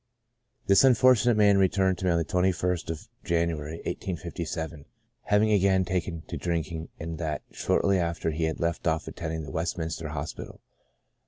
This unfortunate man returned to me on the 21st of January, 1857, having again taken to drinking, and that shortly after he had left off attending the Westminster Hospital.